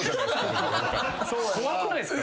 怖くないですか？